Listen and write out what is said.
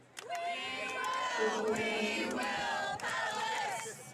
Ki kwoeng gasi